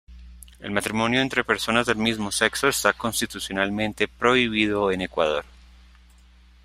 El matrimonio entre personas del mismo sexo está constitucionalmente prohibido en Ecuador.